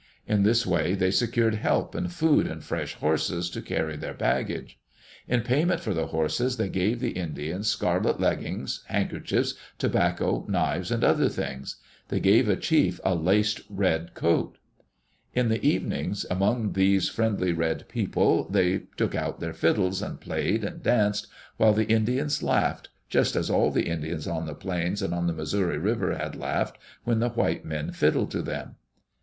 In this way they secured help and food and fresh horses to carry their baggage. In payment for the horses they gave the Indians scarlet leggins, handkerchiefs, tobacco, knives, and other things. They gave a chief a laced red coat. Digitized by VjOOQ IC EARLY DAYS IN OLD OREGON In the evenings, among these friendly red people, they took out their fiddles and played and danced, while the Indians laughed, just as all the Indians on the plains and on the Missouri River had laughed when the white men fiddled to them.